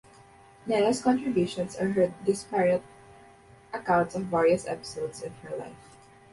Nena's contributions are her disparate accounts of various episodes in her life.